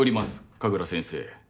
神楽先生。